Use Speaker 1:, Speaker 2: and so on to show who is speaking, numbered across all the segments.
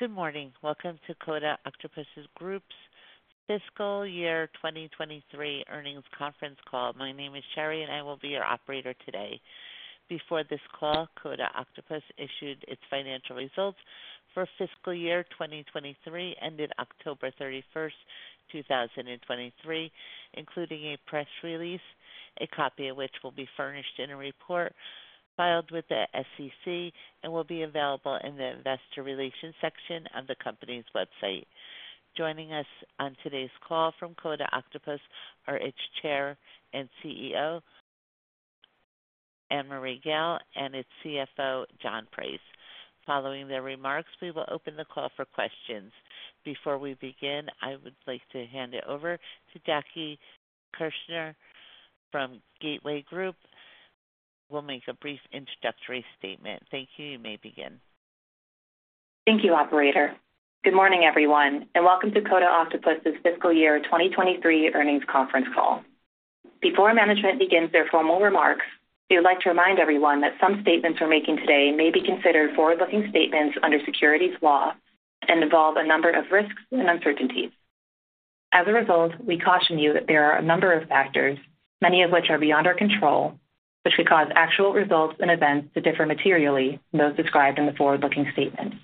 Speaker 1: Good morning, welcome to Coda Octopus Group's fiscal year 2023 earnings conference call. My name is Sherry, and I will be your operator today. Before this call, Coda Octopus issued its financial results for fiscal year 2023 ending October 31, 2023, including a press release, a copy of which will be furnished in a report filed with the SEC and will be available in the investor relations section of the company's website. Joining us on today's call from Coda Octopus are its Chair and CEO, Annmarie Gayle, and its CFO, John Price. Following their remarks, we will open the call for questions. Before we begin, I would like to hand it over to Jackie Keshner from Gateway Group, who will make a brief introductory statement. Thank you, you may begin.
Speaker 2: Thank you, operator. Good morning, everyone, and welcome to Coda Octopus's fiscal year 2023 earnings conference call. Before management begins their formal remarks, we would like to remind everyone that some statements we're making today may be considered forward-looking statements under securities law and involve a number of risks and uncertainties. As a result, we caution you that there are a number of factors, many of which are beyond our control, which could cause actual results and events to differ materially from those described in the forward-looking statement.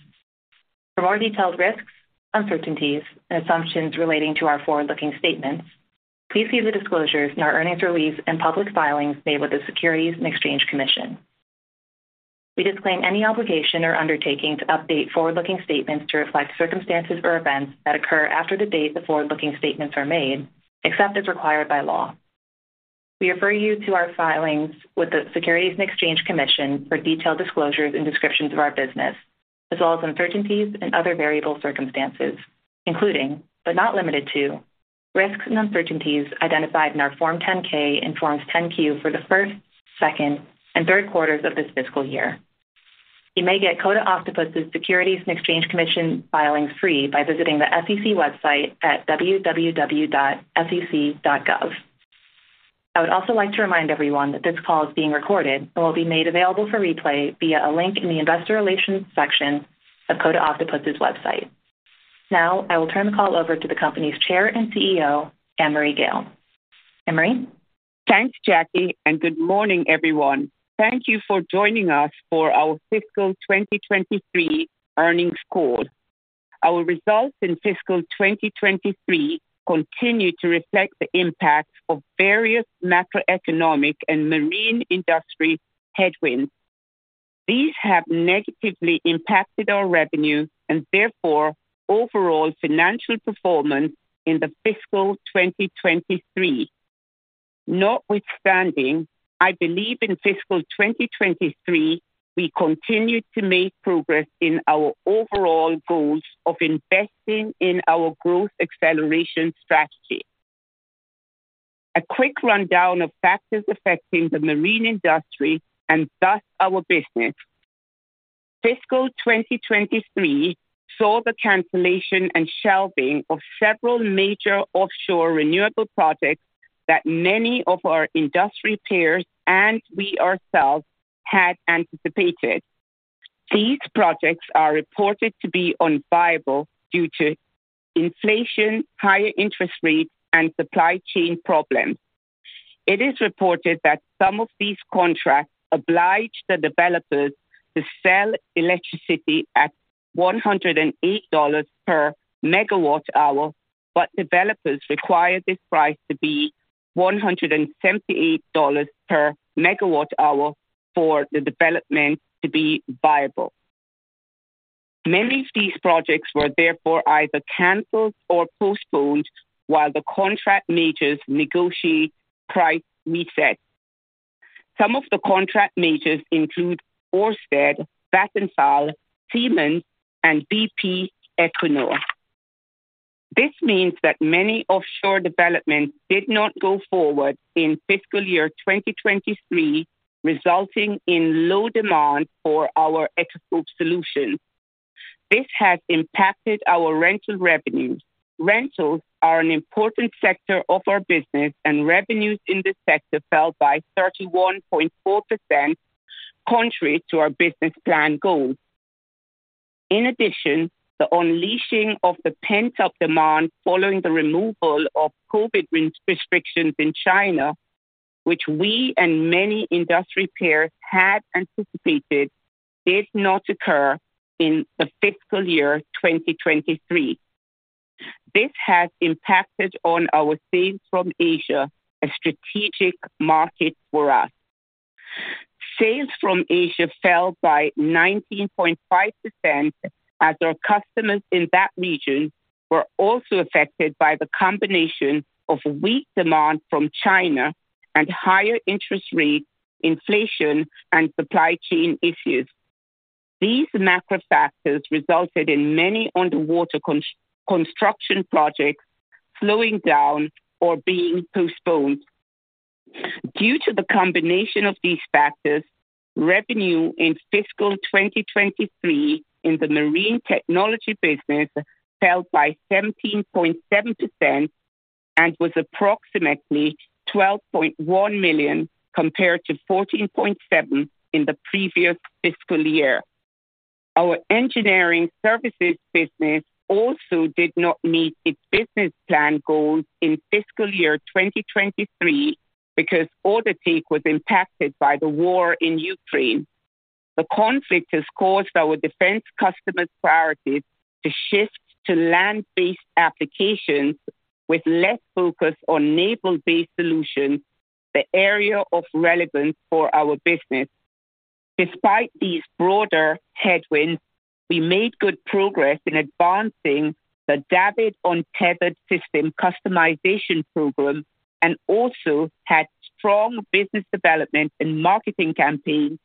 Speaker 2: For more detailed risks, uncertainties, and assumptions relating to our forward-looking statements, please see the disclosures in our earnings release and public filings made with the Securities and Exchange Commission. We disclaim any obligation or undertaking to update forward-looking statements to reflect circumstances or events that occur after the date the forward-looking statements are made, except as required by law. We refer you to our filings with the Securities and Exchange Commission for detailed disclosures and descriptions of our business, as well as uncertainties and other variable circumstances, including, but not limited to, risks and uncertainties identified in our Form 10-K and Forms 10-Q for the first, second, and third quarters of this fiscal year. You may get Coda Octopus's Securities and Exchange Commission filings free by visiting the SEC website at www.sec.gov. I would also like to remind everyone that this call is being recorded and will be made available for replay via a link in the investor relations section of Coda Octopus's website. Now I will turn the call over to the company's Chair and CEO, Annmarie Gayle. Annmarie?
Speaker 3: Thanks, Jackie, and good morning, everyone. Thank you for joining us for our fiscal 2023 earnings call. Our results in fiscal 2023 continue to reflect the impact of various macroeconomic and marine industry headwinds. These have negatively impacted our revenue and therefore overall financial performance in the fiscal 2023. Notwithstanding, I believe in fiscal 2023 we continue to make progress in our overall goals of investing in our growth acceleration strategy. A quick rundown of factors affecting the marine industry and thus our business: fiscal 2023 saw the cancellation and shelving of several major offshore renewable projects that many of our industry peers and we ourselves had anticipated. These projects are reported to be unviable due to inflation, higher interest rates, and supply chain problems. It is reported that some of these contracts obliged the developers to sell electricity at $108 per MWh, but developers required this price to be $178 per MWh for the development to be viable. Many of these projects were therefore either canceled or postponed while the contract majors negotiated price resets. Some of the contract majors include Ørsted, Vattenfall, Siemens, and BP Equinor. This means that many offshore developments did not go forward in fiscal year 2023, resulting in low demand for our Echoscope solutions. This has impacted our rental revenues. Rentals are an important sector of our business, and revenues in this sector fell by 31.4%, contrary to our business plan goals. In addition, the unleashing of the pent-up demand following the removal of COVID restrictions in China, which we and many industry peers had anticipated, did not occur in the fiscal year 2023. This has impacted our sales from Asia, a strategic market for us. Sales from Asia fell by 19.5%, as our customers in that region were also affected by the combination of weak demand from China and higher interest rates, inflation, and supply chain issues. These macro factors resulted in many underwater construction projects slowing down or being postponed. Due to the combination of these factors, revenue in fiscal 2023 in the marine technology business fell by 17.7% and was approximately $12.1 million compared to $14.7 million in the previous fiscal year. Our engineering services business also did not meet its business plan goals in fiscal year 2023 because order take was impacted by the war in Ukraine. The conflict has caused our defense customers' priorities to shift to land-based applications with less focus on naval-based solutions, the area of relevance for our business. Despite these broader headwinds, we made good progress in advancing the DAVD Untethered System customization program and also had strong business development and marketing campaigns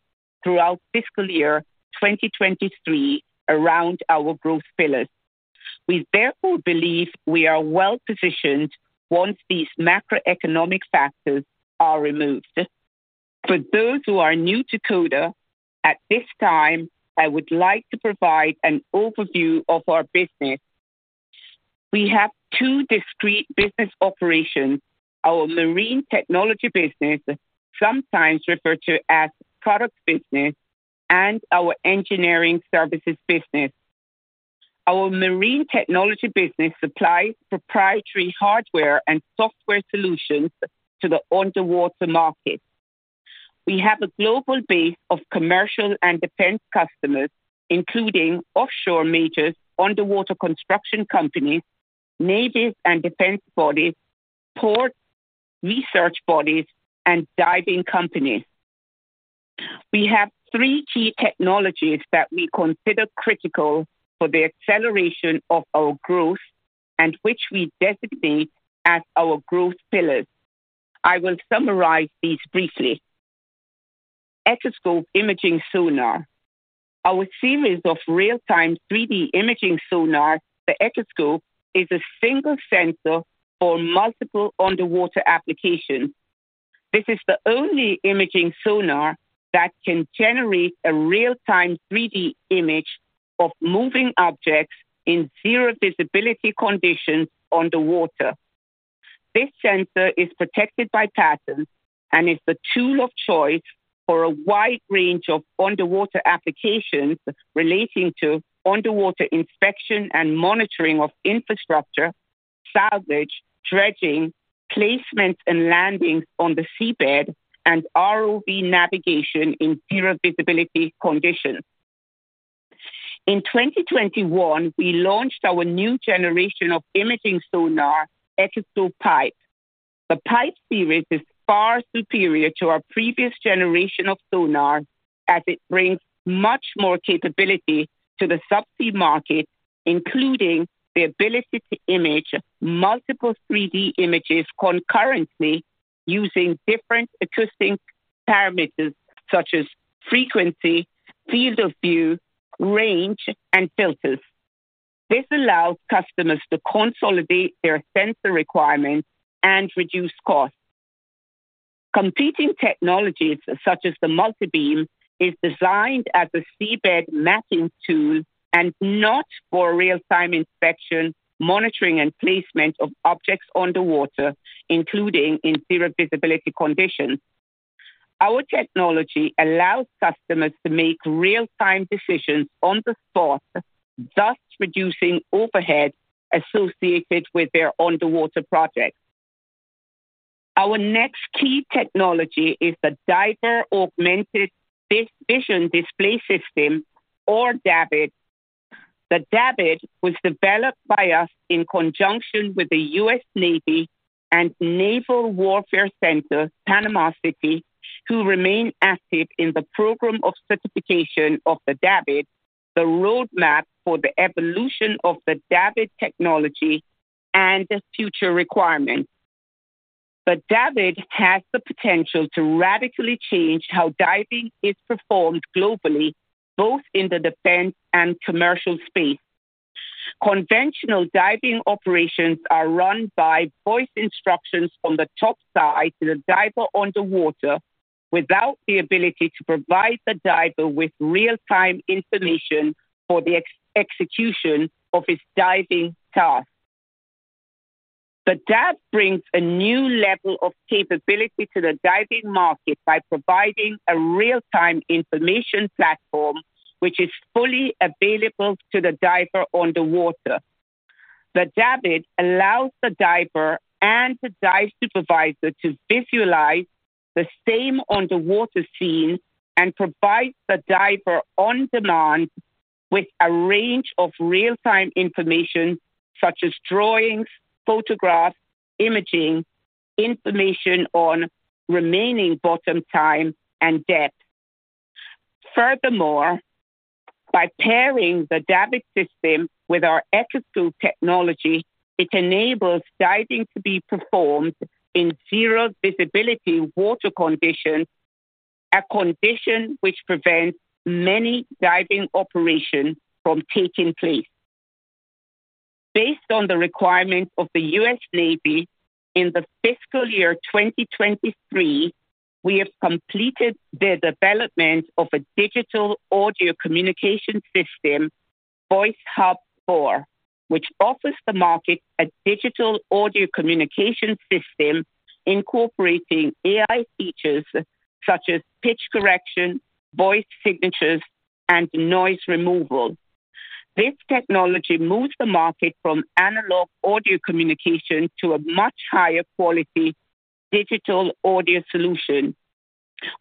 Speaker 3: throughout fiscal year 2023 around our growth pillars. We therefore believe we are well positioned once these macroeconomic factors are removed. For those who are new to Coda, at this time I would like to provide an overview of our business. We have two discrete business operations: our marine technology business, sometimes referred to as product business, and our engineering services business. Our marine technology business supplies proprietary hardware and software solutions to the underwater market. We have a global base of commercial and defense customers, including offshore major underwater construction companies, naval and defense bodies, port research bodies, and diving companies. We have three key technologies that we consider critical for the acceleration of our growth and which we designate as our growth pillars. I will summarize these briefly. Echoscope imaging sonar. Our series of real-time 3D imaging sonars, the Echoscope, is a single sensor for multiple underwater applications. This is the only imaging sonar that can generate a real-time 3D image of moving objects in zero visibility conditions underwater. This sensor is protected by patents and is the tool of choice for a wide range of underwater applications relating to underwater inspection and monitoring of infrastructure, salvage, dredging, placements and landings on the seabed, and ROV navigation in zero visibility conditions. In 2021, we launched our new generation of imaging sonar, Echoscope PIPE. The PIPE series is far superior to our previous generation of sonars, as it brings much more capability to the subsea market, including the ability to image multiple 3D images concurrently using different acoustic parameters such as frequency, field of view, range, and filters. This allows customers to consolidate their sensor requirements and reduce costs. Competing technologies such as the Multibeam are designed as a seabed mapping tool and not for real-time inspection, monitoring, and placement of objects underwater, including in zero visibility conditions. Our technology allows customers to make real-time decisions on the spot, thus reducing overhead associated with their underwater projects. Our next key technology is the Diver Augmented Vision Display System, or DAVD. The DAVD was developed by us in conjunction with the U.S. Navy and Naval Warfare Center, Panama City, who remain active in the program of certification of the DAVD, the roadmap for the evolution of the DAVD technology, and future requirements. The DAVD has the potential to radically change how diving is performed globally, both in the defense and commercial space. Conventional diving operations are run by voice instructions from the topside to the diver underwater without the ability to provide the diver with real-time information for the execution of his diving task. The DAVD brings a new level of capability to the diving market by providing a real-time information platform which is fully available to the diver underwater. The DAVD allows the diver and the dive supervisor to visualize the same underwater scene and provides the diver on demand with a range of real-time information such as drawings, photographs, imaging, information on remaining bottom time and depth. Furthermore, by pairing the DAVD system with our Echoscope technology, it enables diving to be performed in zero visibility water conditions, a condition which prevents many diving operations from taking place. Based on the requirements of the U.S. Navy, in the fiscal year 2023, we have completed the development of a digital audio communication system, VoiceHub-4, which offers the market a digital audio communication system incorporating AI features such as pitch correction, voice signatures, and noise removal. This technology moves the market from analog audio communication to a much higher quality digital audio solution.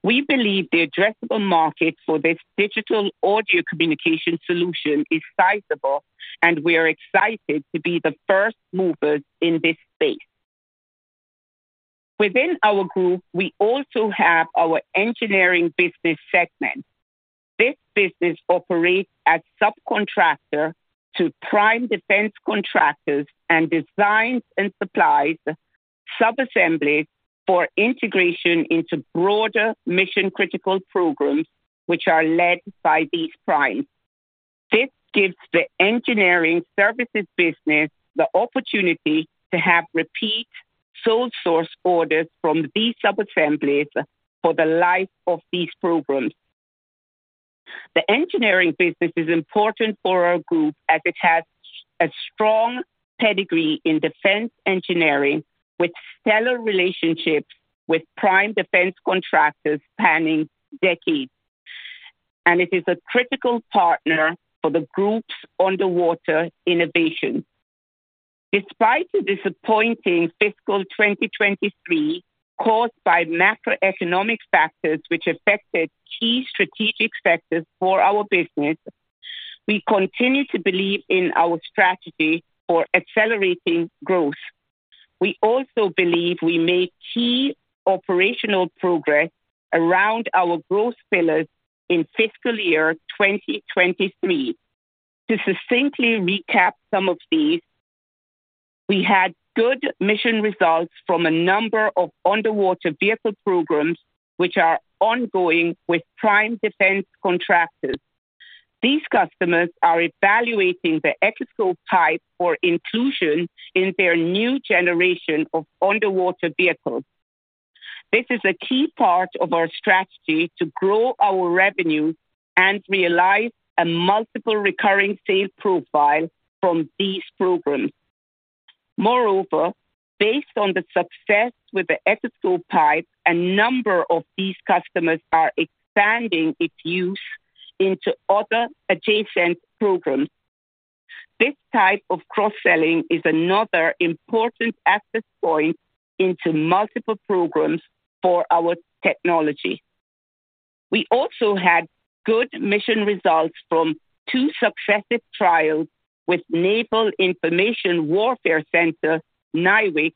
Speaker 3: We believe the addressable market for this digital audio communication solution is sizable, and we are excited to be the first movers in this space. Within our group, we also have our engineering business segment. This business operates as a subcontractor to prime defense contractors and designs and supplies subassemblies for integration into broader mission-critical programs which are led by these primes. This gives the engineering services business the opportunity to have repeat sole source orders from these subassemblies for the life of these programs. The engineering business is important for our group as it has a strong pedigree in defense engineering with stellar relationships with prime defense contractors spanning decades, and it is a critical partner for the group's underwater innovation. Despite the disappointing fiscal 2023 caused by macroeconomic factors which affected key strategic sectors for our business, we continue to believe in our strategy for accelerating growth. We also believe we made key operational progress around our growth pillars in fiscal year 2023. To succinctly recap some of these: we had good mission results from a number of underwater vehicle programs which are ongoing with prime defense contractors. These customers are evaluating the Echoscope PIPE for inclusion in their new generation of underwater vehicles. This is a key part of our strategy to grow our revenues and realize a multiple recurring sale profile from these programs. Moreover, based on the success with the Echoscope PIPE, a number of these customers are expanding its use into other adjacent programs. This type of cross-selling is another important access point into multiple programs for our technology. We also had good mission results from two successive trials with Naval Information Warfare Center, NIWC,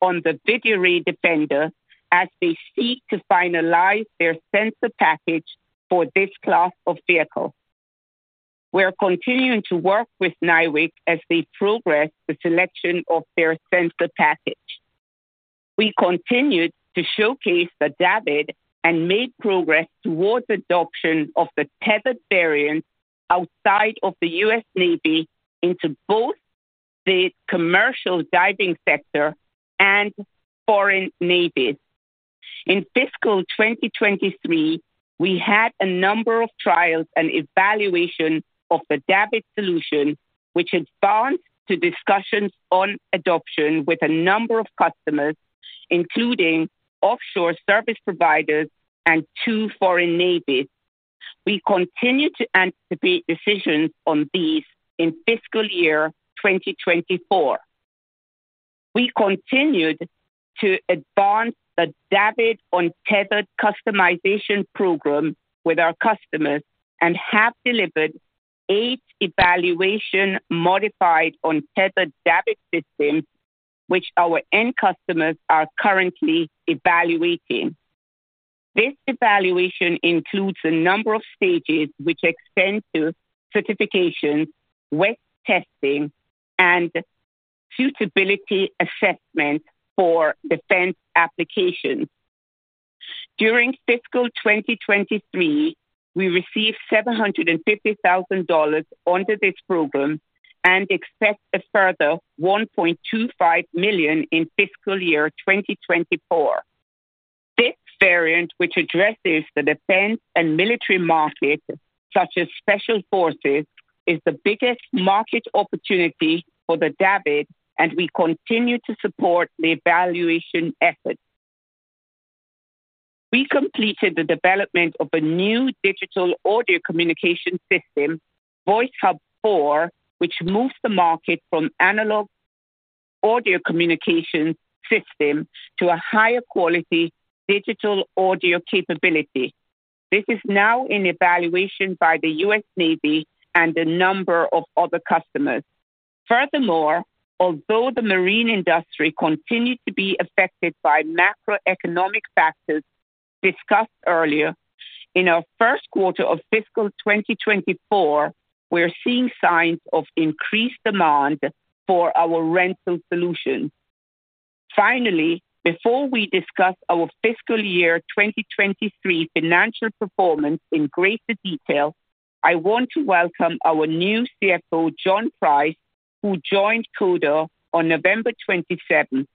Speaker 3: on the VideoRay Defender as they seek to finalize their sensor package for this class of vehicle. We're continuing to work with NIWC as they progress the selection of their sensor package. We continued to showcase the DAVD and made progress towards adoption of the tethered variant outside of the U.S. Navy into both the commercial diving sector and foreign navies. In fiscal 2023, we had a number of trials and evaluations of the DAVD solution, which advanced to discussions on adoption with a number of customers, including offshore service providers and two foreign navies. We continue to anticipate decisions on these in fiscal year 2024. We continued to advance the DAVD Untethered Customization Program with our customers and have delivered 8 evaluations modified Untethered DAVD systems, which our end customers are currently evaluating. This evaluation includes a number of stages which extend to certification, wet testing, and suitability assessment for defense applications. During fiscal 2023, we received $750,000 under this program and expect a further $1.25 million in fiscal year 2024. This variant, which addresses the defense and military markets such as special forces, is the biggest market opportunity for the DAVD, and we continue to support the evaluation efforts. We completed the development of a new digital audio communication system, VoiceHub-4, which moves the market from analog audio communications systems to a higher quality digital audio capability. This is now in evaluation by the U.S. Navy and a number of other customers. Furthermore, although the marine industry continues to be affected by macroeconomic factors discussed earlier, in our first quarter of fiscal 2024, we're seeing signs of increased demand for our rental solutions. Finally, before we discuss our fiscal year 2023 financial performance in greater detail, I want to welcome our new CFO, John Price, who joined Coda on November 27.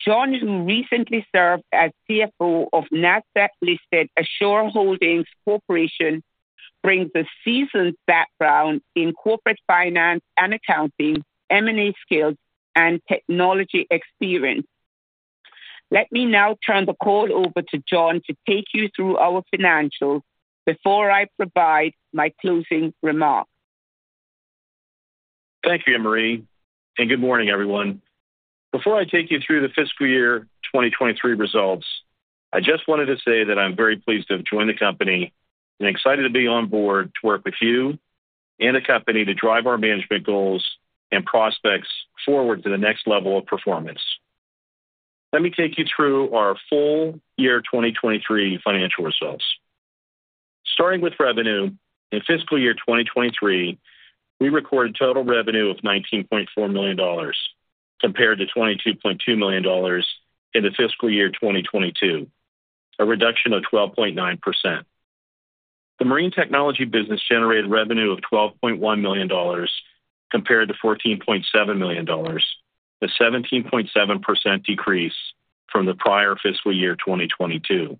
Speaker 3: John, who recently served as CFO of NASDAQ-listed Assure Holdings Corp., brings a seasoned background in corporate finance and accounting, M&A skills, and technology experience. Let me now turn the call over to John to take you through our financials before I provide my closing remarks.
Speaker 4: Thank you, Annmarie, and good morning, everyone. Before I take you through the fiscal year 2023 results, I just wanted to say that I'm very pleased to have joined the company and excited to be on board to work with you and the company to drive our management goals and prospects forward to the next level of performance. Let me take you through our full year 2023 financial results. Starting with revenue, in fiscal year 2023, we recorded total revenue of $19.4 million compared to $22.2 million in the fiscal year 2022, a reduction of 12.9%. The marine technology business generated revenue of $12.1 million compared to $14.7 million, a 17.7% decrease from the prior fiscal year 2022.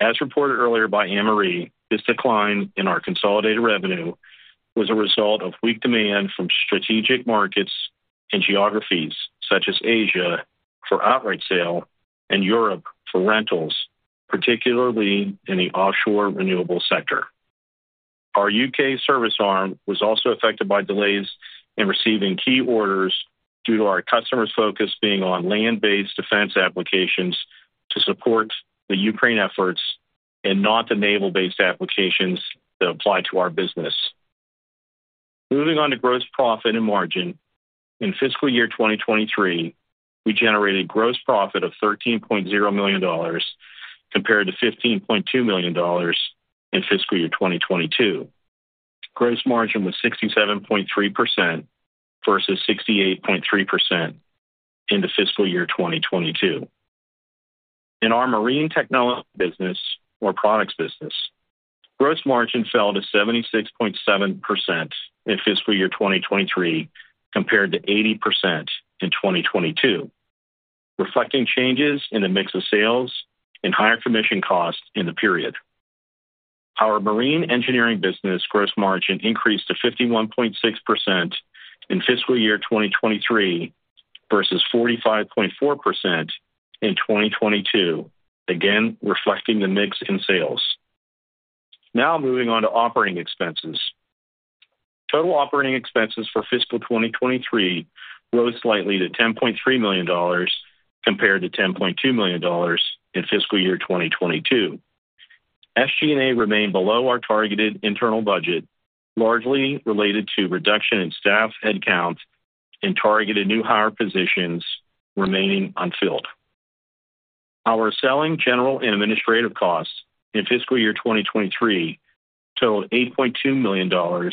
Speaker 4: As reported earlier by Annmarie, this decline in our consolidated revenue was a result of weak demand from strategic markets and geographies such as Asia for outright sale and Europe for rentals, particularly in the offshore renewable sector. Our UK service arm was also affected by delays in receiving key orders due to our customers' focus being on land-based defense applications to support the Ukraine efforts and not the naval-based applications that apply to our business. Moving on to gross profit and margin, in fiscal year 2023, we generated gross profit of $13.0 million compared to $15.2 million in fiscal year 2022. Gross margin was 67.3% versus 68.3% in the fiscal year 2022. In our marine technology business, or products business, gross margin fell to 76.7% in fiscal year 2023 compared to 80% in 2022, reflecting changes in the mix of sales and higher commission costs in the period. Our marine engineering business gross margin increased to 51.6% in fiscal year 2023 versus 45.4% in 2022, again reflecting the mix in sales. Now moving on to operating expenses. Total operating expenses for fiscal 2023 rose slightly to $10.3 million compared to $10.2 million in fiscal year 2022. SG&A remained below our targeted internal budget, largely related to reduction in staff headcount and targeted new hire positions remaining unfilled. Our selling general and administrative costs in fiscal year 2023 totaled $8.2 million,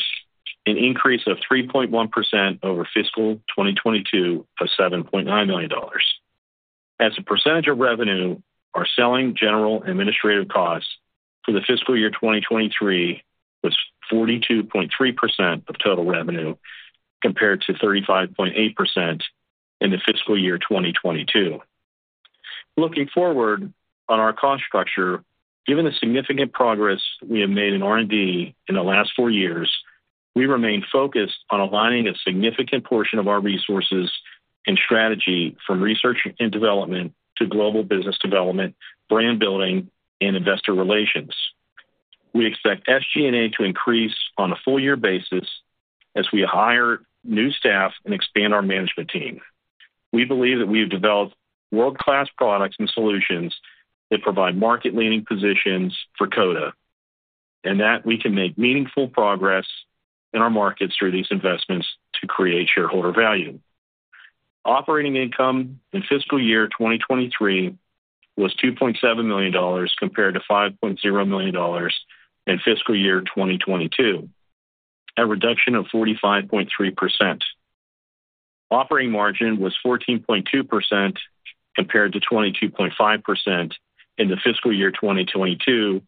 Speaker 4: an increase of 3.1% over fiscal 2022 of $7.9 million. As a percentage of revenue, our selling general and administrative costs for the fiscal year 2023 was 42.3% of total revenue compared to 35.8% in the fiscal year 2022. Looking forward on our cost structure, given the significant progress we have made in R&D in the last four years, we remain focused on aligning a significant portion of our resources and strategy from research and development to global business development, brand building, and investor relations. We expect SG&A to increase on a full-year basis as we hire new staff and expand our management team. We believe that we have developed world-class products and solutions that provide market-leading positions for Coda, and that we can make meaningful progress in our markets through these investments to create shareholder value. Operating income in fiscal year 2023 was $2.7 million compared to $5.0 million in fiscal year 2022, a reduction of 45.3%. Operating margin was 14.2% compared to 22.5% in the fiscal year 2022,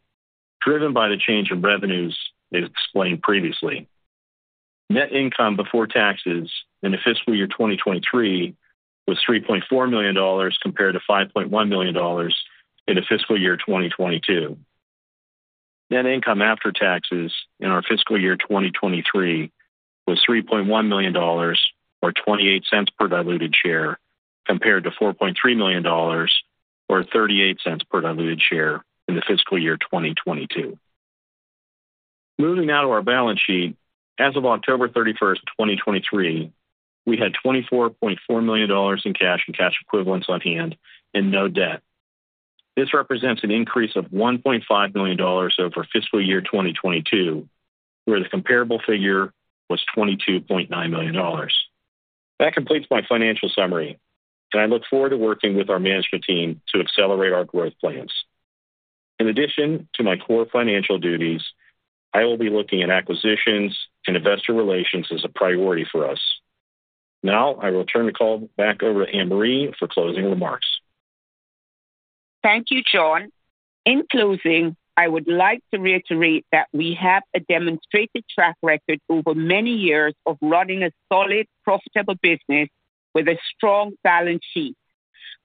Speaker 4: driven by the change in revenues as explained previously. Net income before taxes in the fiscal year 2023 was $3.4 million compared to $5.1 million in the fiscal year 2022. Net income after taxes in our fiscal year 2023 was $3.1 million, or $0.28 per diluted share, compared to $4.3 million, or $0.38 per diluted share in the fiscal year 2022. Moving now to our balance sheet, as of October 31st, 2023, we had $24.4 million in cash and cash equivalents on hand and no debt. This represents an increase of $1.5 million over fiscal year 2022, where the comparable figure was $22.9 million. That completes my financial summary, and I look forward to working with our management team to accelerate our growth plans. In addition to my core financial duties, I will be looking at acquisitions and investor relations as a priority for us. Now I will turn the call back over to Annmarie for closing remarks.
Speaker 3: Thank you, John. In closing, I would like to reiterate that we have a demonstrated track record over many years of running a solid, profitable business with a strong balance sheet.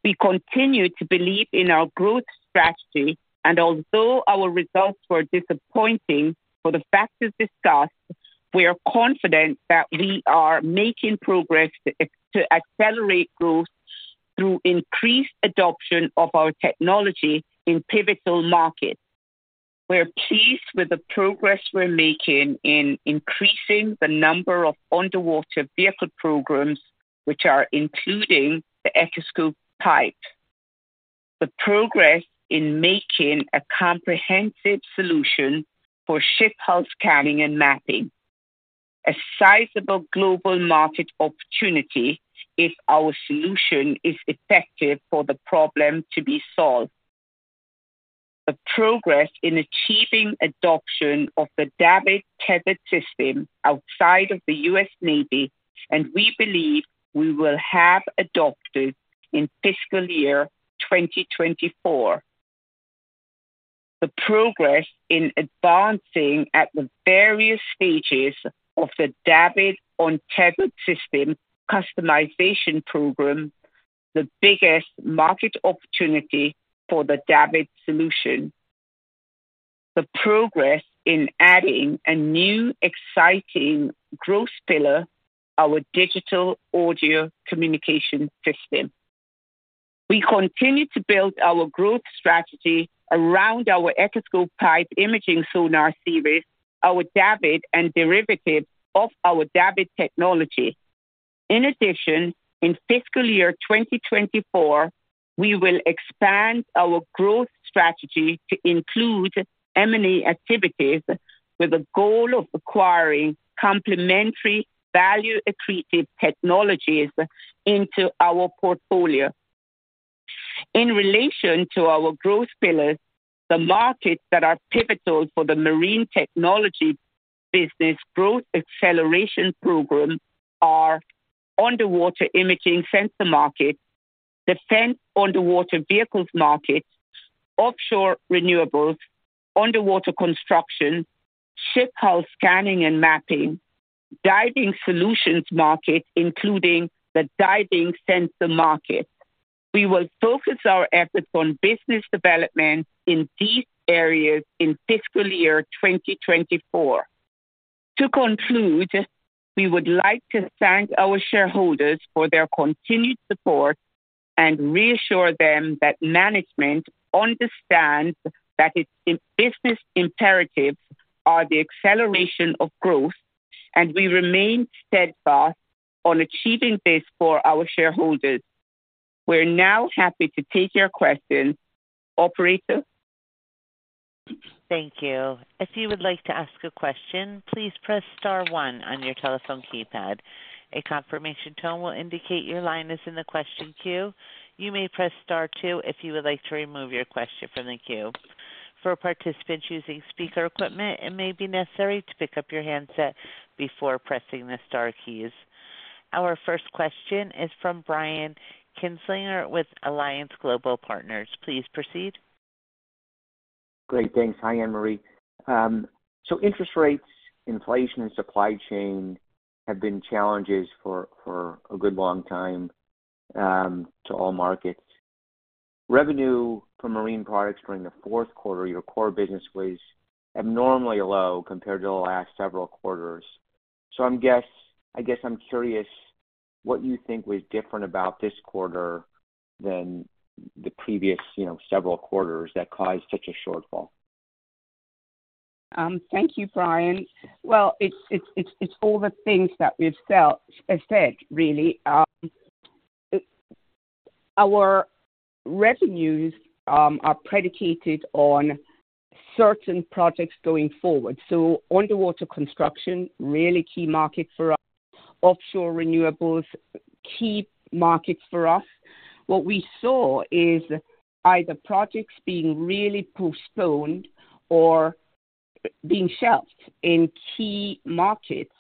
Speaker 3: We continue to believe in our growth strategy, and although our results were disappointing for the factors discussed, we are confident that we are making progress to accelerate growth through increased adoption of our technology in pivotal markets. We're pleased with the progress we're making in increasing the number of underwater vehicle programs, which are including the Echoscope PIPE, the progress in making a comprehensive solution for ship hull scanning and mapping, a sizable global market opportunity if our solution is effective for the problem to be solved, the progress in achieving adoption of the DAVD tethered system outside of the U.S. Navy, and we believe we will have adopted in fiscal year 2024, the progress in advancing at the various stages of the DAVD Untethered System customization program, the biggest market opportunity for the DAVD solution, the progress in adding a new exciting growth pillar, our digital audio communication system. We continue to build our growth strategy around our Echoscope PIPE imaging sonar series, our DAVD, and derivatives of our DAVD technology. In addition, in fiscal year 2024, we will expand our growth strategy to include M&A activities with the goal of acquiring complementary value-attractive technologies into our portfolio. In relation to our growth pillars, the markets that are pivotal for the marine technology business growth acceleration program are underwater imaging sensor market, defense underwater vehicles market, offshore renewables, underwater construction, ship hull scanning and mapping, diving solutions market, including the diving sensor market. We will focus our efforts on business development in these areas in fiscal year 2024. To conclude, we would like to thank our shareholders for their continued support and reassure them that management understands that its business imperatives are the acceleration of growth, and we remain steadfast on achieving this for our shareholders. We're now happy to take your questions. Operator?
Speaker 1: Thank you. If you would like to ask a question, please press star one on your telephone keypad. A confirmation tone will indicate your line is in the question queue. You may press star two if you would like to remove your question from the queue. For participants using speaker equipment, it may be necessary to pick up your handset before pressing the star keys. Our first question is from Brian Kinstlinger with Alliance Global Partners. Please proceed.
Speaker 5: Great, thanks. Hi, Annmarie. So interest rates, inflation, and supply chain have been challenges for a good long time to all markets. Revenue for marine products during the fourth quarter, your core business, was abnormally low compared to the last several quarters. So, I guess I'm curious what you think was different about this quarter than the previous, you know, several quarters that caused such a shortfall.
Speaker 3: Thank you, Brian. Well, it's all the things that you've felt, said, really. Our revenues are predicated on certain projects going forward. So underwater construction, really key market for us. Offshore renewables, key markets for us. What we saw is either projects being really postponed or being shelved in key markets.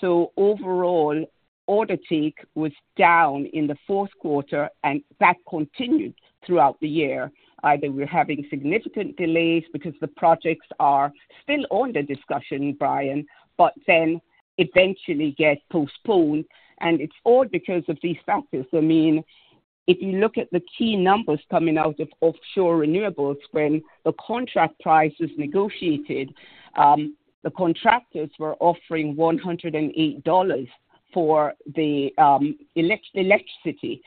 Speaker 3: So overall, order take was down in the fourth quarter, and that continued throughout the year. Either we're having significant delays because the projects are still on the discussion, Brian, but then eventually get postponed, and it's all because of these factors. I mean, if you look at the key numbers coming out of offshore renewables, when the contract price was negotiated, the contractors were offering $108 for the electricity.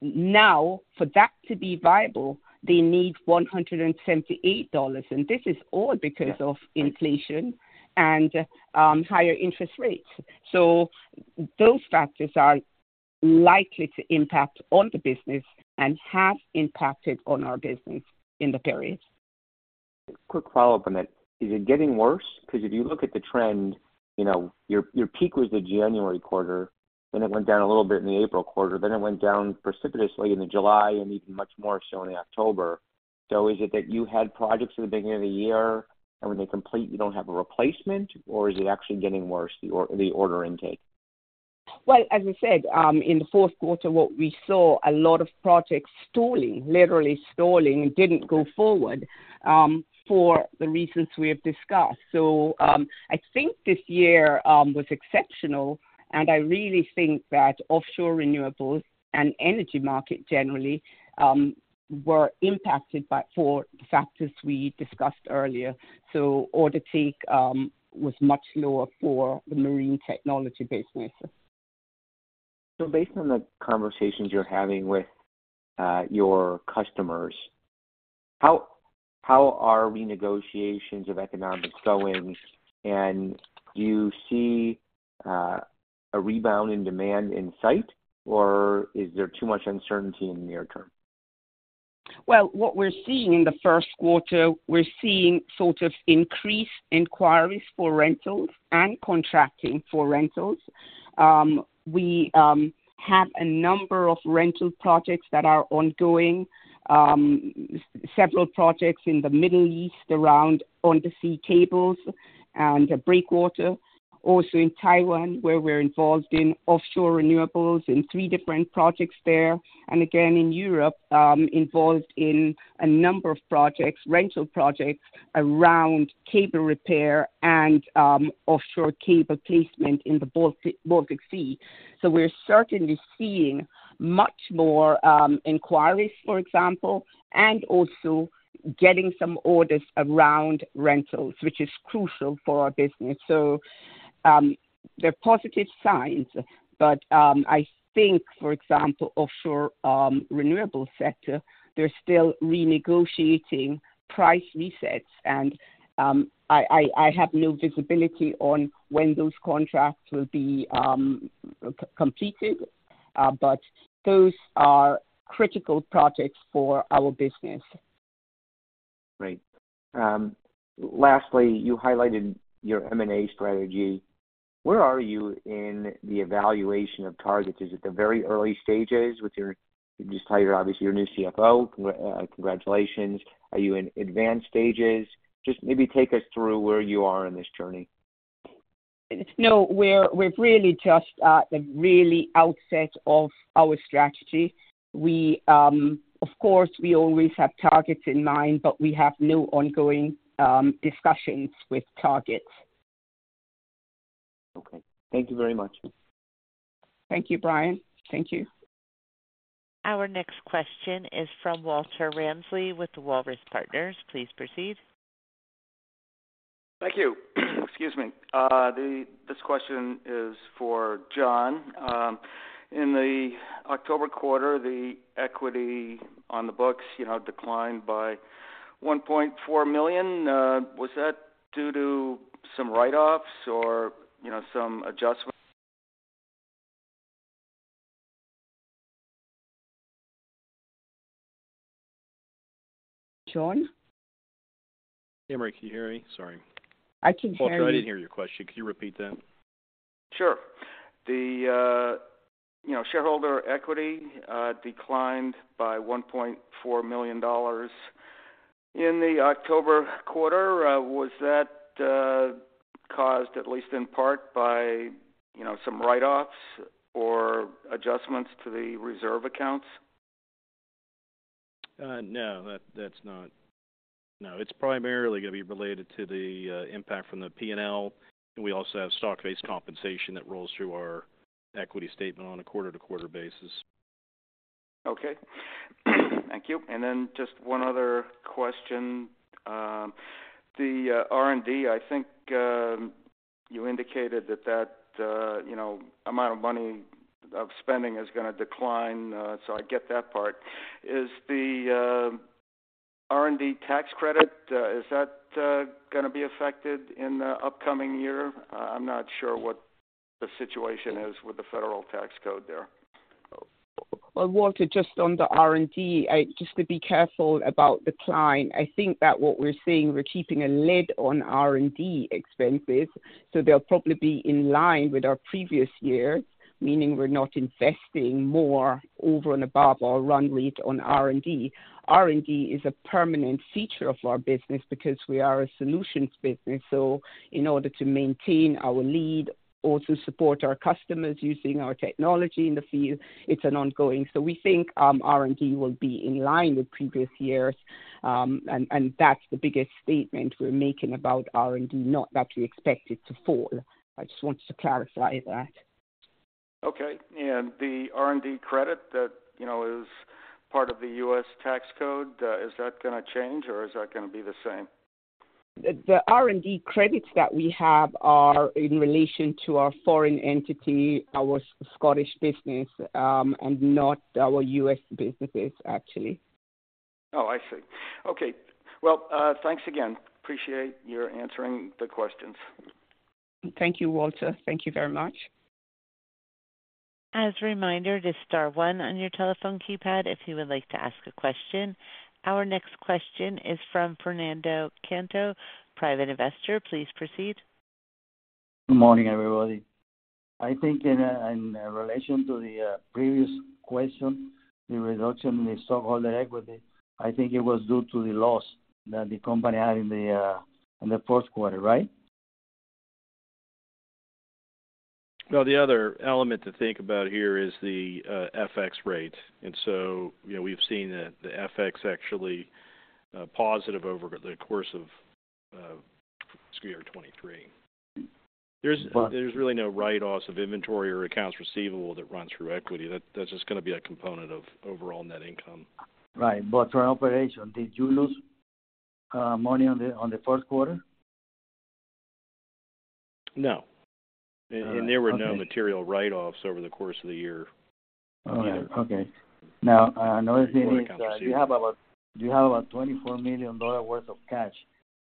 Speaker 3: Now, for that to be viable, they need $178, and this is all because of inflation and higher interest rates. Those factors are likely to impact on the business and have impacted on our business in the period.
Speaker 5: Quick follow-up on that. Is it getting worse? Because if you look at the trend, you know, your peak was in January quarter, and it went down a little bit in the April quarter. Then it went down precipitously in July and even much more so in October. So is it that you had projects at the beginning of the year, and when they complete, you don't have a replacement, or is it actually getting worse, the order intake?
Speaker 3: Well, as I said, in the fourth quarter, what we saw, a lot of projects stalling, literally stalling, didn't go forward, for the reasons we have discussed. So, I think this year was exceptional, and I really think that offshore renewables and energy market generally were impacted by the factors we discussed earlier. So order intake was much lower for the marine technology business.
Speaker 5: So based on the conversations you're having with your customers, how are renegotiations of economics going? And do you see a rebound in demand in sight, or is there too much uncertainty in the near term?
Speaker 3: Well, what we're seeing in the first quarter, we're seeing sort of increased inquiries for rentals and contracting for rentals. We have a number of rental projects that are ongoing, several projects in the Middle East around undersea cables and breakwater. Also in Taiwan, where we're involved in offshore renewables in three different projects there. And again, in Europe, involved in a number of projects, rental projects around cable repair and offshore cable placement in the Baltic Sea. So we're certainly seeing much more inquiries, for example, and also getting some orders around rentals, which is crucial for our business. So, they're positive signs, but, I think, for example, offshore renewable sector, they're still renegotiating price resets, and, I have no visibility on when those contracts will be completed, but those are critical projects for our business.
Speaker 5: Great. Lastly, you highlighted your M&A strategy. Where are you in the evaluation of targets? Is it the very early stages with your you just tied your obviously your new CFO? Congratulations. Are you in advanced stages? Just maybe take us through where you are in this journey.
Speaker 3: No, we're really just at the really outset of our strategy. We, of course, always have targets in mind, but we have no ongoing discussions with targets.
Speaker 5: Okay. Thank you very much.
Speaker 3: Thank you, Brian. Thank you.
Speaker 1: Our next question is from Walter Ramsley with Walrus Partners. Please proceed.
Speaker 6: Thank you. Excuse me. This question is for John. In the October quarter, the equity on the books, you know, declined by $1.4 million. Was that due to some write-offs or, you know, some adjustments?
Speaker 3: John?
Speaker 4: Annmarie, can you hear me? Sorry.
Speaker 3: I can hear you.
Speaker 4: Walter, I didn't hear your question. Could you repeat that?
Speaker 6: Sure. The, you know, shareholder equity declined by $1.4 million in the October quarter. Was that caused at least in part by, you know, some write-offs or adjustments to the reserve accounts?
Speaker 4: No, that's not. No, it's primarily going to be related to the impact from the P&L. And we also have stock-based compensation that rolls through our equity statement on a quarter-to-quarter basis.
Speaker 6: Okay. Thank you. And then just one other question. The R&D, I think, you indicated that that, you know, amount of money of spending is going to decline. So I get that part. Is the R&D tax credit, is that going to be affected in the upcoming year? I'm not sure what the situation is with the federal tax code there.
Speaker 3: Well, Walter, just on the R&D, I just want to be careful about decline. I think that what we're seeing, we're keeping a lid on R&D expenses, so they'll probably be in line with our previous year, meaning we're not investing more over and above our run rate on R&D. R&D is a permanent feature of our business because we are a solutions business. So in order to maintain our lead, also support our customers using our technology in the field, it's an ongoing, so we think, R&D will be in line with previous years. And that's the biggest statement we're making about R&D, not that we expect it to fall. I just wanted to clarify that.
Speaker 6: Okay. And the R&D credit that, you know, is part of the U.S. tax code, is that going to change or is that going to be the same?
Speaker 3: The R&D credits that we have are in relation to our foreign entity, our Scottish business, and not our U.S. businesses, actually.
Speaker 6: Oh, I see. Okay. Well, thanks again. Appreciate your answering the questions.
Speaker 3: Thank you, Walter. Thank you very much.
Speaker 1: As a reminder, just star one on your telephone keypad if you would like to ask a question. Our next question is from Fernando Canto, private investor. Please proceed.
Speaker 7: Good morning, everybody. I think in relation to the previous question, the reduction in the stockholder equity, I think it was due to the loss that the company had in the fourth quarter, right?
Speaker 4: Well, the other element to think about here is the FX rate. And so, you know, we've seen the FX actually positive over the course of SQ23. There's really no write-offs of inventory or accounts receivable that runs through equity. That's just going to be a component of overall net income.
Speaker 7: Right. But for an operation, did you lose money on the fourth quarter?
Speaker 4: No. And there were no material write-offs over the course of the year.
Speaker 7: Oh, okay. Now, another thing is, you have about $24 million worth of cash,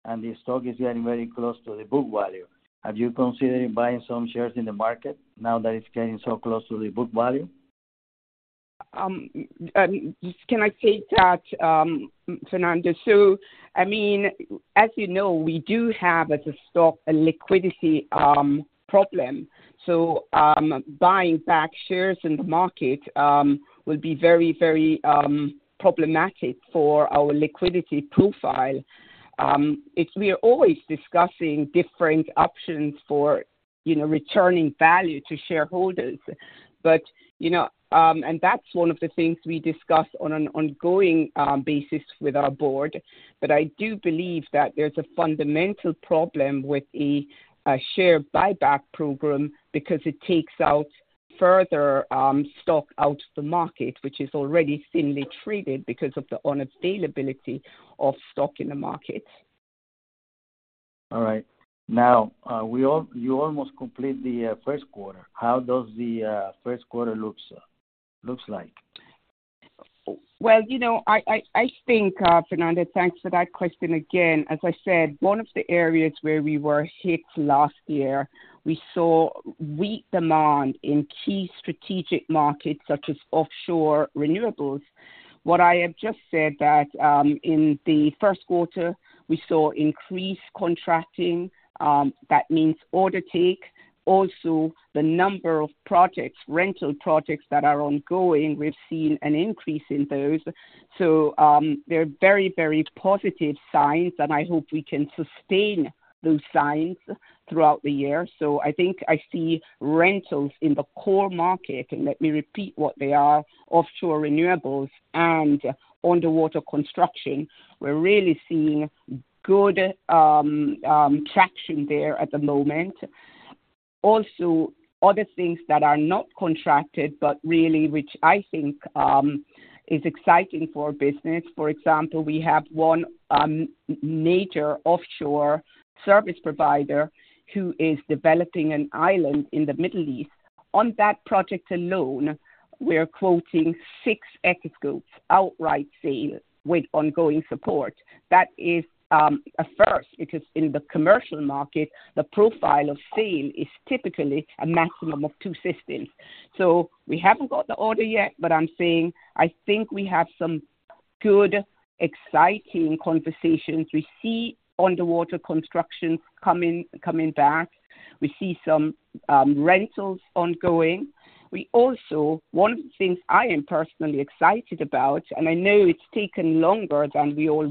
Speaker 7: and the stock is getting very close to the book value. Are you considering buying some shares in the market now that it's getting so close to the book value?
Speaker 3: Just, can I say that, Fernando? So, I mean, as you know, we do have, as a stock, a liquidity problem. So, buying back shares in the market will be very, very problematic for our liquidity profile. It's, we are always discussing different options for, you know, returning value to shareholders. But, you know, and that's one of the things we discuss on an ongoing basis with our board. But I do believe that there's a fundamental problem with a share buyback program because it takes out further stock out of the market, which is already thinly traded because of the unavailability of stock in the market.
Speaker 7: All right. Now, we all you almost complete the first quarter. How does the first quarter looks like?
Speaker 3: Well, you know, I think, Fernando, thanks for that question again. As I said, one of the areas where we were hit last year, we saw weak demand in key strategic markets such as offshore renewables. What I have just said, that in the first quarter, we saw increased contracting. That means order intake. Also, the number of projects, rental projects that are ongoing, we've seen an increase in those. So, they're very, very positive signs, and I hope we can sustain those signs throughout the year. So I think I see rentals in the core market, and let me repeat what they are, offshore renewables and underwater construction. We're really seeing good traction there at the moment. Also, other things that are not contracted, but really which I think is exciting for our business. For example, we have one major offshore service provider who is developing an island in the Middle East. On that project alone, we're quoting six Echoscope outright sale with ongoing support. That is a first because in the commercial market, the profile of sale is typically a maximum of two systems. So we haven't got the order yet, but I'm saying I think we have some good exciting conversations. We see underwater construction coming, coming back. We see some rentals ongoing. We also one of the things I am personally excited about, and I know it's taken longer than we all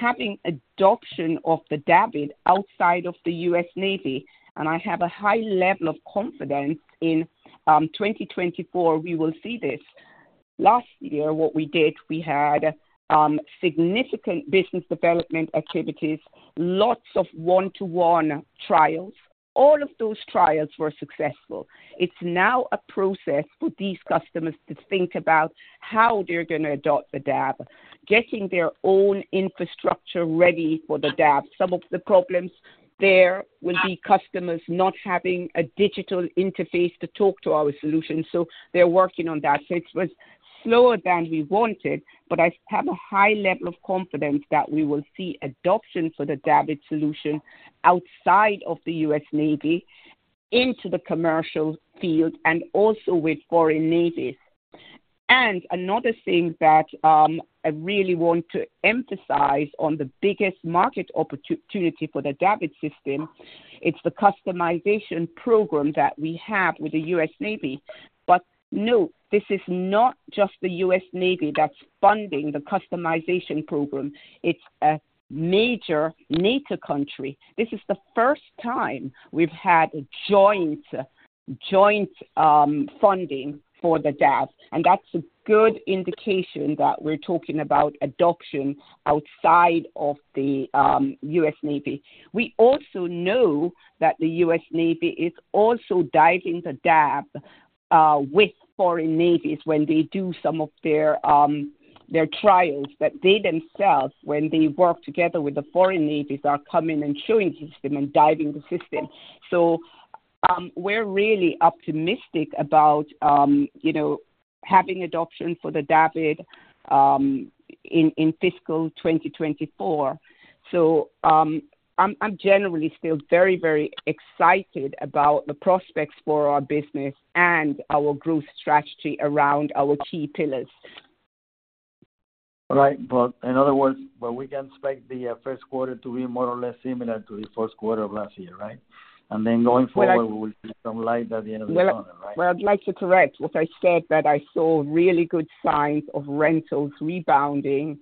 Speaker 3: wanted, but having adoption of the DAVD outside of the U.S. Navy, and I have a high level of confidence in 2024 we will see this. Last year, what we did, we had significant business development activities, lots of one-to-one trials. All of those trials were successful. It's now a process for these customers to think about how they're going to adopt the DAVD, getting their own infrastructure ready for the DAVD. Some of the problems there will be customers not having a digital interface to talk to our solutions. So they're working on that. So it was slower than we wanted, but I have a high level of confidence that we will see adoption for the DAVD solution outside of the U.S. Navy into the commercial field and also with foreign navies. And another thing that I really want to emphasize on the biggest market opportunity for the DAVD system, it's the customization program that we have with the U.S. Navy. But no, this is not just the U.S. Navy that's funding the customization program. It's a major NATO country. This is the first time we've had joint funding for the DAVD. And that's a good indication that we're talking about adoption outside of the U.S. Navy. We also know that the U.S. Navy is also diving the DAVD with foreign navies when they do some of their trials, that they themselves, when they work together with the foreign navies are coming and showing the system and diving the system. So, we're really optimistic about, you know, having adoption for the DAVD in fiscal 2024. So, I'm generally still very, very excited about the prospects for our business and our growth strategy around our key pillars.
Speaker 7: All right. But in other words, we can expect the first quarter to be more or less similar to the first quarter of last year, right? And then going forward, we will see some light at the end of the quarter, right?
Speaker 3: Well, I'd like to correct what I said, that I saw really good signs of rentals rebounding,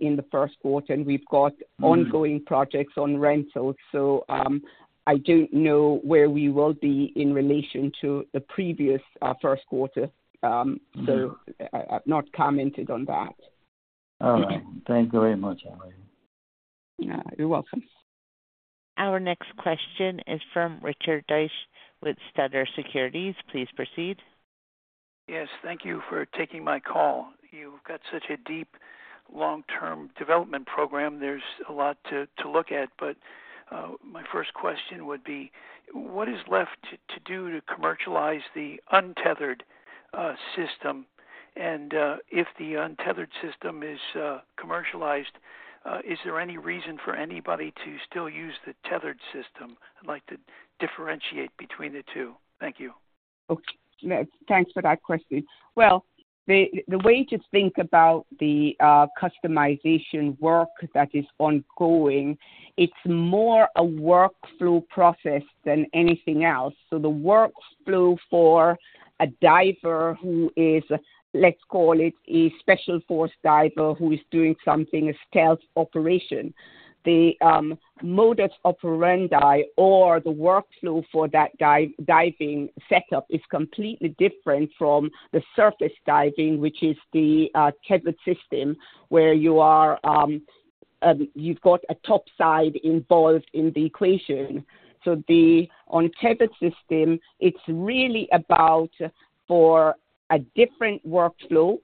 Speaker 3: in the first quarter, and we've got ongoing projects on rentals. So, I don't know where we will be in relation to the previous first quarter. So, I've not commented on that.
Speaker 7: All right. Thank you very much, Annmarie.
Speaker 3: Yeah, you're welcome.
Speaker 1: Our next question is from Richard Deutsch with Sutter Securities. Please proceed.
Speaker 8: Yes. Thank you for taking my call. You've got such a deep, long-term development program. There's a lot to look at. But my first question would be, what is left to do to commercialize the untethered system? And if the untethered system is commercialized, is there any reason for anybody to still use the tethered system? I'd like to differentiate between the two. Thank you.
Speaker 3: Okay. Thanks for that question. Well, the way to think about the customization work that is ongoing, it's more a workflow process than anything else. So the workflow for a diver who is, let's call it, a special force diver who is doing something, a stealth operation, the modus operandi or the workflow for that diving setup is completely different from the surface diving, which is the tethered system where you are, you've got a topside involved in the equation. So the untethered system, it's really about for a different workflow.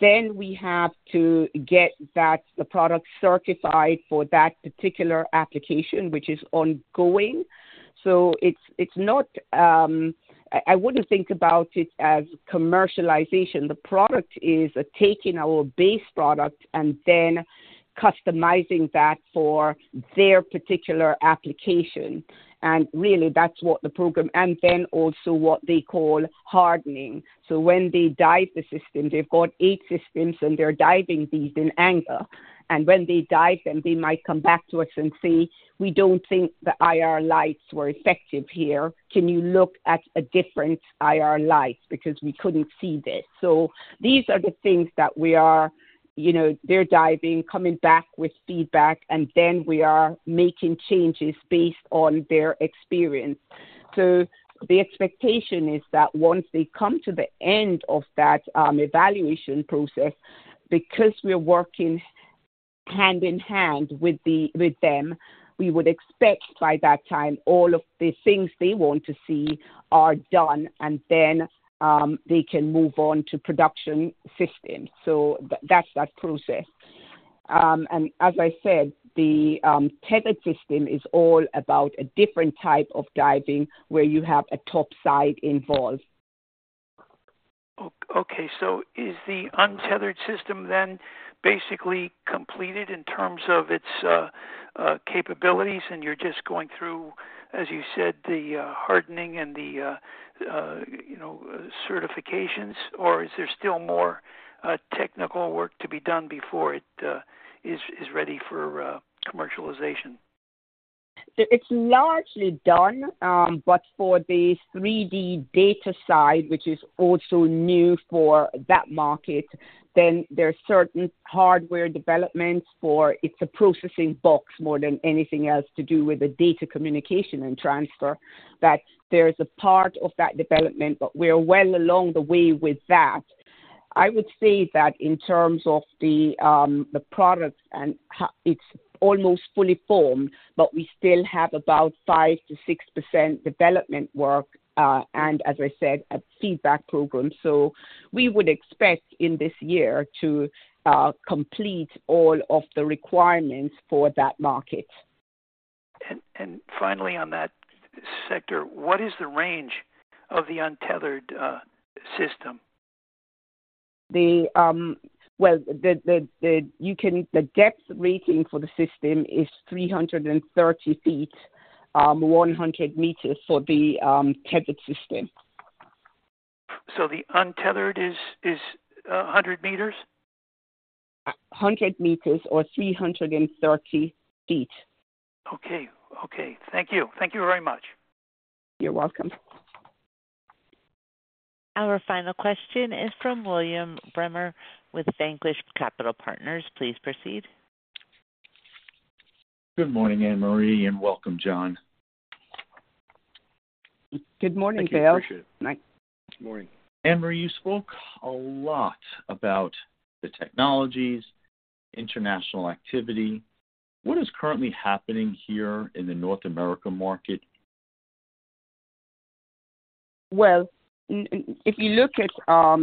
Speaker 3: Then we have to get that the product certified for that particular application, which is ongoing. So it's, it's not, I wouldn't think about it as commercialization. The product is taking our base product and then customizing that for their particular application. And really, that's what the program and then also what they call hardening. So when they dive the system, they've got eight systems, and they're diving these in anger. And when they dive them, they might come back to us and say, "We don't think the IR lights were effective here. Can you look at a different IR light?" because we couldn't see that. So these are the things that we are, you know, they're diving, coming back with feedback, and then we are making changes based on their experience. So the expectation is that once they come to the end of that evaluation process, because we're working hand in hand with them, we would expect by that time all of the things they want to see are done, and then they can move on to production systems. So that's that process. As I said, the tethered system is all about a different type of diving where you have a topside involved.
Speaker 8: Okay. So is the untethered system then basically completed in terms of its capabilities? And you're just going through, as you said, the hardening and the, you know, certifications? Or is there still more technical work to be done before it is ready for commercialization?
Speaker 3: It's largely done, but for the 3D data side, which is also new for that market, then there's certain hardware developments, for it's a processing box more than anything else to do with the data communication and transfer. But there's a part of that development, but we're well along the way with that. I would say that in terms of the, the product, and it's almost fully formed, but we still have about 5%-6% development work, and as I said, a feedback program. So we would expect in this year to complete all of the requirements for that market.
Speaker 8: And finally on that sector, what is the range of the untethered system?
Speaker 3: Well, the depth rating for the system is 330ft, 100m for the tethered system.
Speaker 8: So the untethered is 100m?
Speaker 3: 100m or 330ft.
Speaker 8: Okay. Okay. Thank you. Thank you very much.
Speaker 3: You're welcome.
Speaker 1: Our final question is from William Bremer with Vanquish Capital Partners. Please proceed.
Speaker 9: Good morning, Annmarie, and welcome, John.
Speaker 3: Good morning, Will.
Speaker 9: Thank you.
Speaker 4: Morning.
Speaker 9: Annmarie, you spoke a lot about the technologies, international activity. What is currently happening here in the North America market?
Speaker 3: Well, if you look at our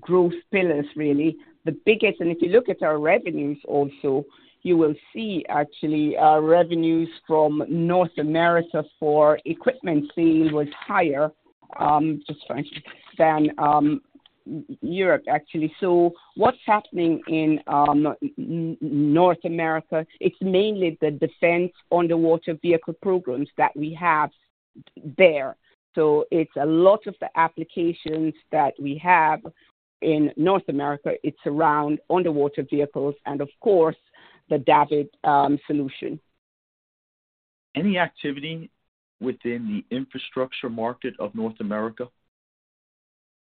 Speaker 3: growth pillars, really, the biggest and if you look at our revenues also, you will see actually revenues from North America for equipment sale was higher, just for us to understand Europe, actually. So what's happening in North America, it's mainly the defense underwater vehicle programs that we have there. So it's a lot of the applications that we have in North America, it's around underwater vehicles and, of course, the DAVD solution.
Speaker 9: Any activity within the infrastructure market of North America?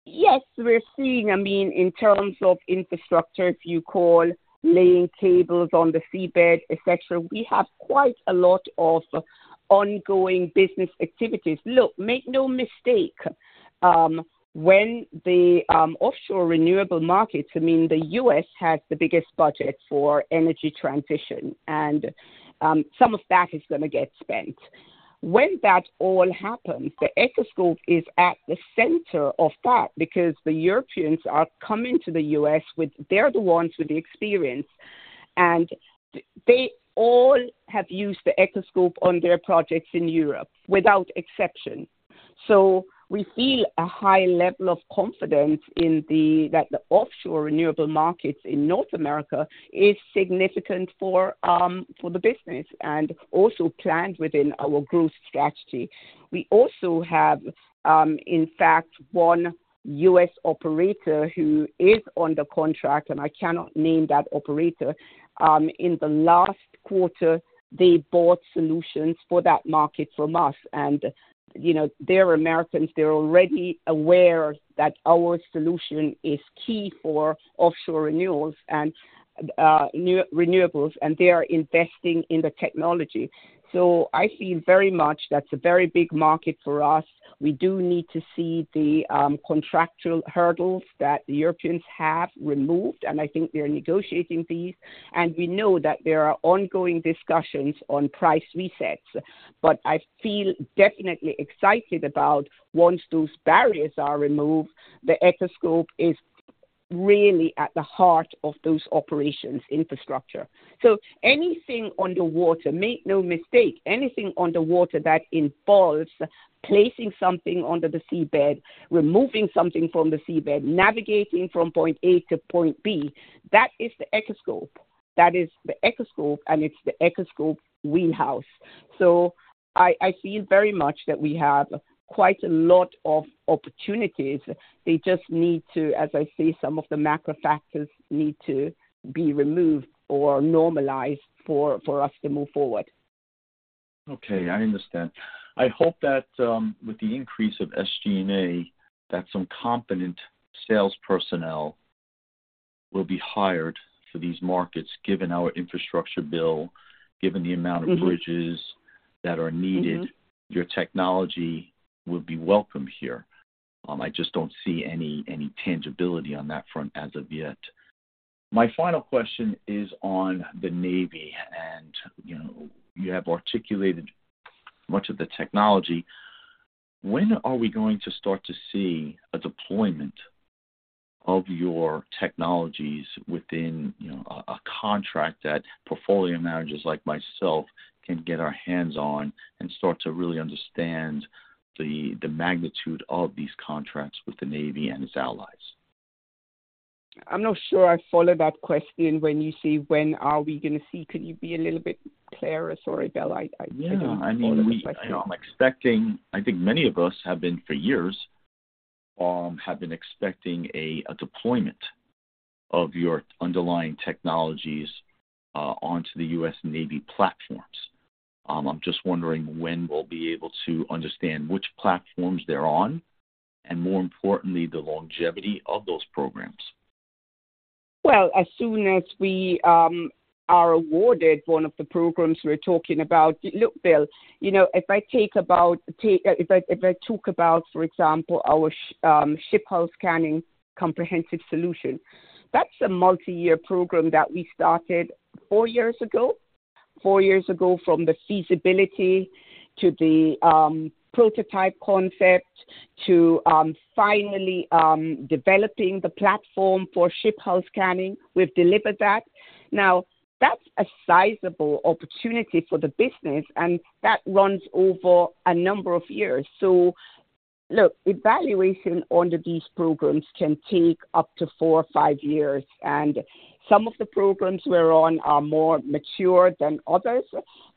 Speaker 3: Yes, we're seeing, I mean, in terms of infrastructure, if you call laying cables on the seabed, etc., we have quite a lot of ongoing business activities. Look, make no mistake, when the offshore renewable markets, I mean, the U.S. has the biggest budget for energy transition, and some of that is going to get spent. When that all happens, the Echoscope is at the center of that because the Europeans are coming to the U.S. with, they're the ones with the experience, and they all have used the Echoscope on their projects in Europe without exception. So we feel a high level of confidence in that the offshore renewable markets in North America is significant for, for the business and also planned within our growth strategy. We also have, in fact, one U.S. operator who is on the contract, and I cannot name that operator. In the last quarter, they bought solutions for that market from us. And, you know, they're Americans. They're already aware that our solution is key for offshore renewables, and they are investing in the technology. So I feel very much that's a very big market for us. We do need to see the contractual hurdles that the Europeans have removed, and I think they're negotiating these. And we know that there are ongoing discussions on price resets. But I feel definitely excited about once those barriers are removed, the Echoscope is really at the heart of those operations, infrastructure. So anything underwater, make no mistake, anything underwater that involves placing something under the seabed, removing something from the seabed, navigating from point A to point B, that is the Echoscope. That is the Echoscope, and it's the Echoscope wheelhouse. So I feel very much that we have quite a lot of opportunities. They just need to, as I say, some of the macro factors need to be removed or normalized for us to move forward.
Speaker 9: Okay. I understand. I hope that, with the increase of SG&A, that some competent sales personnel will be hired for these markets, given our infrastructure bill, given the amount of bridges that are needed. Your technology will be welcome here. I just don't see any tangibility on that front as of yet. My final question is on the Navy, and, you know, you have articulated much of the technology. When are we going to start to see a deployment of your technologies within, you know, a contract that portfolio managers like myself can get our hands on and start to really understand the magnitude of these contracts with the Navy and its allies?
Speaker 3: I'm not sure I followed that question when you say when are we going to see. Could you be a little bit clearer? Sorry, Will. I don't follow the question.
Speaker 9: Yeah. I mean, we, you know, I'm expecting. I think many of us have been for years, have been expecting a deployment of your underlying technologies onto the U.S. Navy platforms. I'm just wondering when we'll be able to understand which platforms they're on, and more importantly, the longevity of those programs.
Speaker 3: Well, as soon as we are awarded one of the programs we're talking about, look, Will, you know, if I talk about, for example, our ship hull scanning comprehensive solution, that's a multi-year program that we started four years ago. Four years ago from the feasibility to the prototype concept to finally developing the platform for ship hull scanning. We've delivered that. Now, that's a sizable opportunity for the business, and that runs over a number of years. So look, evaluation under these programs can take up to four or five years. And some of the programs we're on are more mature than others.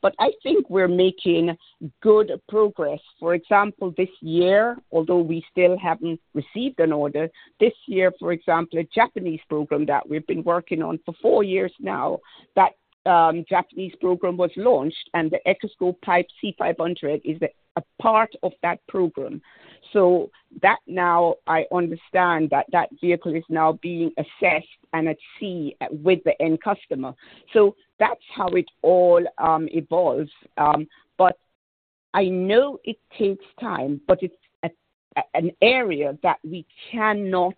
Speaker 3: But I think we're making good progress. For example, this year, although we still haven't received an order, this year, for example, a Japanese program that we've been working on for four years now, that Japanese program was launched, and the Echoscope PIPE C500 is a part of that program. So that now I understand that that vehicle is now being assessed and at sea with the end customer. So that's how it all evolves. But I know it takes time, but it's an area that we cannot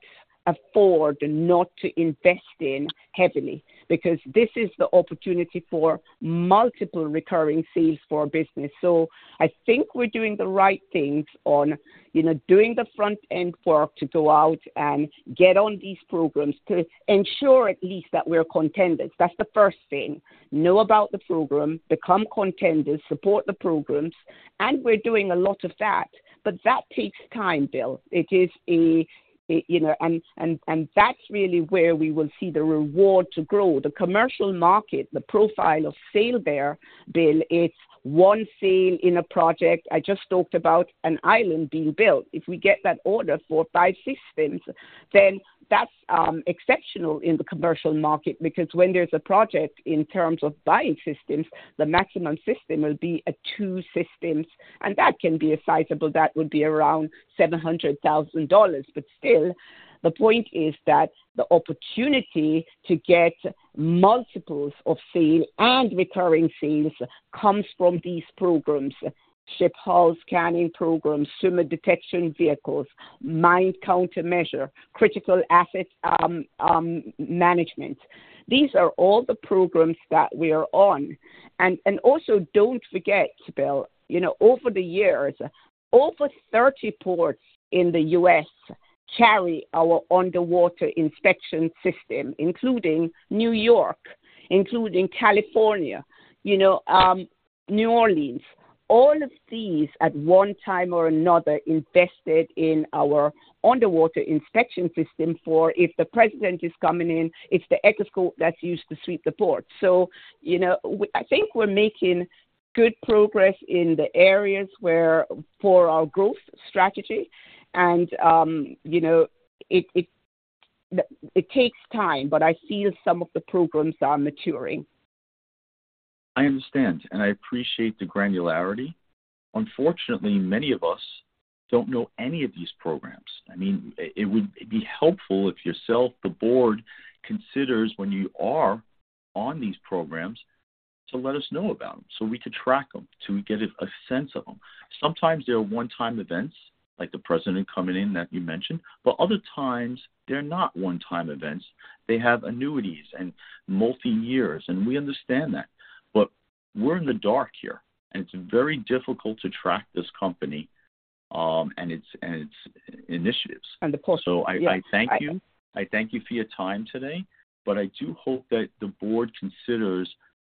Speaker 3: afford not to invest in heavily because this is the opportunity for multiple recurring sales for a business. So I think we're doing the right things on, you know, doing the front-end work to go out and get on these programs to ensure at least that we're contenders. That's the first thing. Know about the program, become contenders, support the programs. And we're doing a lot of that. But that takes time, Will. It is, you know, and that's really where we will see the reward to grow. The commercial market, the profile of sale there, Will, it's one sale in a project. I just talked about an island being built. If we get that order for five systems, then that's exceptional in the commercial market because when there's a project in terms of buying systems, the maximum will be two systems. And that can be sizable; that would be around $700,000. But still, the point is that the opportunity to get multiples of sale and recurring sales comes from these programs: ship hull scanning programs, sonar detection vehicles, mine countermeasures, critical asset management. These are all the programs that we are on. And also don't forget, Will, you know, over the years, over 30 ports in the U.S. carry our Underwater Inspection System, including New York, including California, you know, New Orleans. All of these, at one time or another, invested in our Underwater Inspection System for if the president is coming in, it's the Echoscope that's used to sweep the port. So, you know, I think we're making good progress in the areas where for our growth strategy. And, you know, it takes time, but I feel some of the programs are maturing.
Speaker 9: I understand, and I appreciate the granularity. Unfortunately, many of us don't know any of these programs. I mean, it would be helpful if yourself, the board, considers when you are on these programs to let us know about them so we could track them, so we get a sense of them. Sometimes they're one-time events, like the president coming in that you mentioned, but other times they're not one-time events. They have annuities and multi-years, and we understand that. But we're in the dark here, and it's very difficult to track this company, and its initiatives. So I, I thank you. I thank you for your time today, but I do hope that the board considers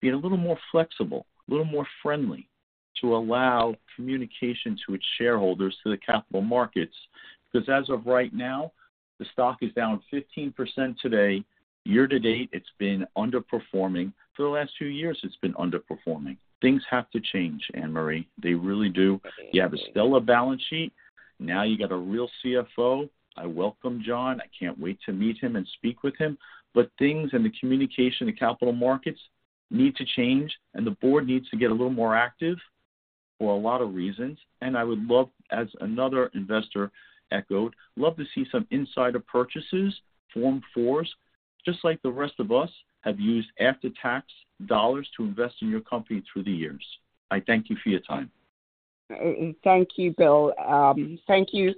Speaker 9: being a little more flexible, a little more friendly to allow communication to its shareholders, to the capital markets. Because as of right now, the stock is down 15% today. Year to date, it's been underperforming. For the last few years, it's been underperforming. Things have to change, Annmarie. They really do. You have a stellar balance sheet. Now you got a real CFO. I welcome John. I can't wait to meet him and speak with him. But things and the communication, the capital markets need to change, and the board needs to get a little more active for a lot of reasons. I would love, as another investor echoed, love to see some insider purchases, Form 4s, just like the rest of us have used after-tax dollars to invest in your company through the years. I thank you for your time.
Speaker 3: Thank you, Will. Thank you.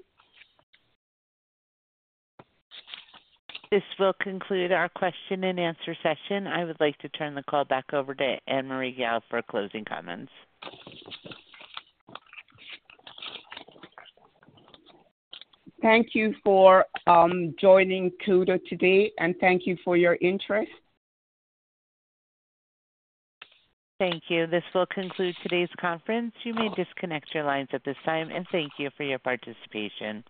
Speaker 1: This will conclude our question-and-answer session. I would like to turn the call back over to Annmarie Gayle for closing comments.
Speaker 3: Thank you for joining Coda today, and thank you for your interest.
Speaker 1: Thank you. This will conclude today's conference. You may disconnect your lines at this time, and thank you for your participation.